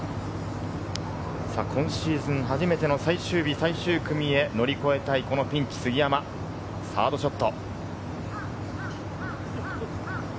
今シーズン初めての最終日、最終組へ乗り越えたいピンチ、杉山、サードショット。